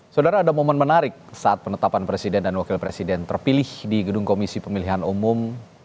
saudara ada momen menarik saat penetapan presiden dan wakil presiden terpilih di gedung komisi pemilihan umum